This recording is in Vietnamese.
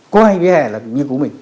có hai vẻ hè là như của mình